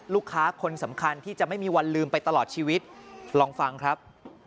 ลูกค้าคนสำคัญที่จะไม่มีวันลืมไปตลอดชีวิตลองฟังครับ